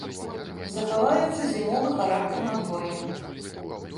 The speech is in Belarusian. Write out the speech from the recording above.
Захаваецца зімовы характар надвор'я.